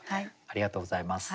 ありがとうございます。